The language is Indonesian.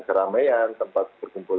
keramean tempat berkumpul